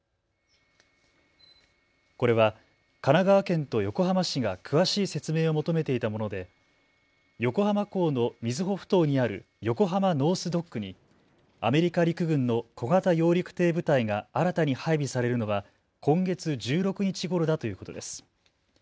これは神奈川県と横浜市が詳しい説明を求めていたもので横浜港の瑞穂ふ頭にある横浜ノース・ドックにアメリカ陸軍の小型揚陸艇部隊が新たに配備されるのは今月１６日ごろだということです。